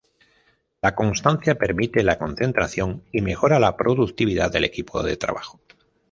La constancia permite la concentración y mejora la productividad del equipo de trabajo.